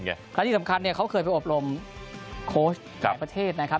และที่สำคัญเขาเคยไปอบรมโค้ชต่างประเทศนะครับ